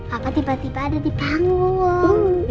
papa tiba tiba ada di panggung